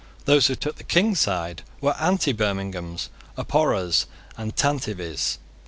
Those who took the King's side were Antibirminghams, Abhorrers, and Tantivies.